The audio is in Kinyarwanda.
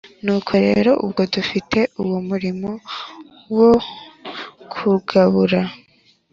Nuko rero ubwo dufite uwo murimo wo kugabura